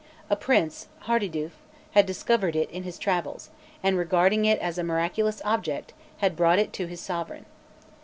A prince, Hardiduf, had discovered it in his travels, and regarding it as a miraculous object, had brought it to his sovereign.